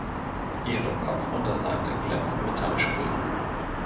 Ihre Kopfunterseite glänzt metallisch grün.